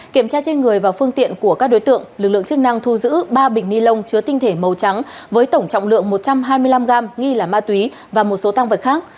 kiểm tra trên người và phương tiện của các đối tượng lực lượng chức năng thu giữ ba bịch ni lông chứa tinh thể màu trắng với tổng trọng lượng một trăm hai mươi năm gram nghi là ma túy và một số tăng vật khác